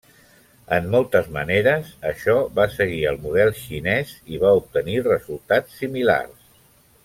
En moltes maneres, això va seguir el model xinès i va obtenir resultats similars.